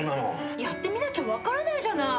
やってみなきゃ分からないじゃない！